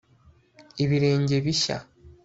ibirenge bishya